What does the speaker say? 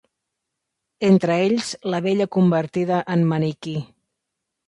Entre ells, la bella convertida en maniquí.